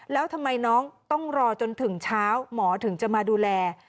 แล้วทำไมน้องต้องรอจนถึงเช้าหมอถึงจะมาดูแล